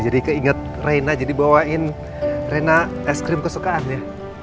jadi keinget reina jadi bawain reina es krim kesukaan ya